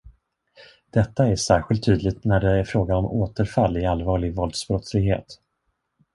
Detta är särskilt tydligt när det är fråga om återfall i allvarlig våldsbrottslighet.